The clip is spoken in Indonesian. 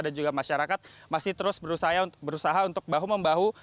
dan juga masyarakat masih terus berusaha untuk bahu membahu